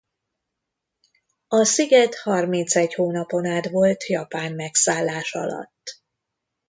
A sziget harmincegy hónapon át volt japán megszállás alatt.